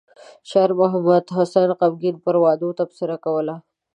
شاعر محمد حسين غمګين پر وعدو تبصره کوله.